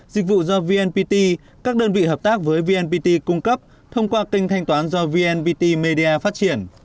dịch vụ do vnpt các đơn vị hợp tác với vnpt cung cấp thông qua kênh thanh toán do vnpt media phát triển